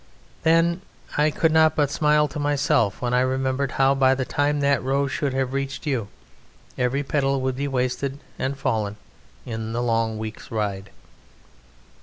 Then ... I could not but smile to myself when I remembered how by the time that rose should have reached you every petal would be wasted and fallen in the long week's ride.